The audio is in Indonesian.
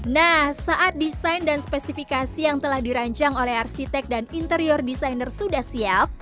nah saat desain dan spesifikasi yang telah dirancang oleh arsitek dan interior desainer sudah siap